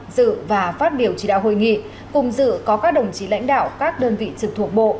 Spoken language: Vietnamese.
dự và phát biểu chỉ đạo hội nghị cùng dự có các đồng chí lãnh đạo các đơn vị trực thuộc bộ